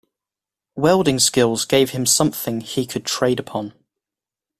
Welding skills gave him something he could trade upon.